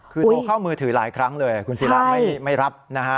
คือโทรเข้ามือถือหลายครั้งเลยคุณศิราไม่รับนะฮะ